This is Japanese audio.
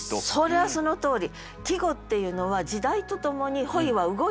それはそのとおり。